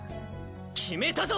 決めたぞ！